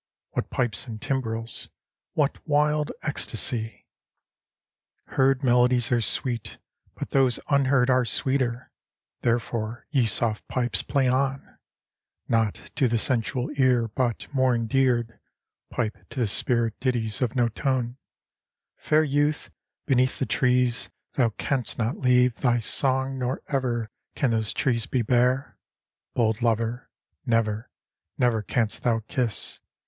What pipes and timbrels? What wild ecstasy? Heard melodies are sweet, but those unheard Are sweeter; therefore, ye soft pipes, play on; Not to the sensual ear, but, more endear'd, Pipe to the spirit ditties of no tone: Fair youth, beneath the trees, thou canst not leave Thy song, nor ever can those trees be bare; Bold Lover, never, never canst thou kiss.